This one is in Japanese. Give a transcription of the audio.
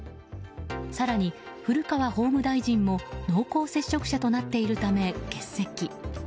更に、古川法務大臣も濃厚接触者となっているため欠席。